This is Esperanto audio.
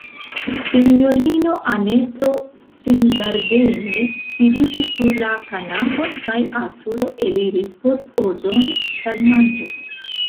Sinjorino Anneto singardeme sidiĝis sur la kanapon, kaj Arturo eliris, por ordoni tagmanĝon.